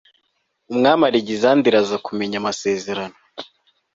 umwami alegisanderi aza kumenya amasezerano